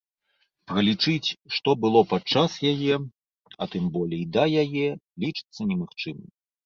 Пралічыць, што было падчас яе, а тым болей да яе, лічыцца немагчымым.